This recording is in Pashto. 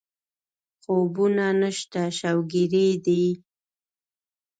خوبونه نشته شوګېري دي